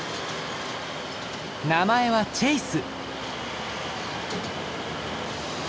名前はチェイス。